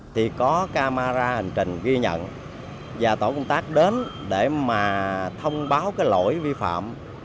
thì có camera hành trình ghi nhận và tổ công tác đến để mà thông báo cái lỗi vi phạm